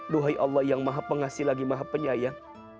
duhai allah yang maha pengasih lagi maha penyayang